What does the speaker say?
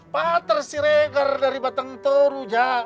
patar siregar dari batang toru jak